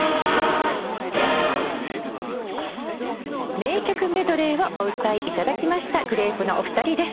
名曲メドレーをお歌いいただきましたグレープのお二人です。